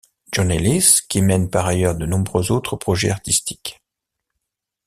John Ellis, qui mène par ailleurs de nombreux autres projets artistiques.